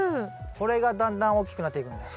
これがだんだん大きくなっていくんだよ。